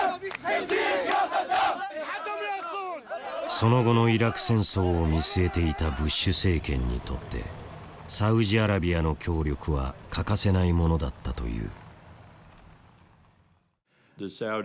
その後のイラク戦争を見据えていたブッシュ政権にとってサウジアラビアの協力は欠かせないものだったという。